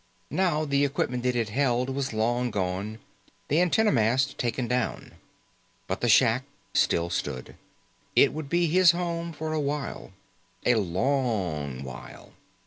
Now the equipment it had held was long gone, the antenna mast taken down. But the shack still stood. It would be his home for a while. A long while.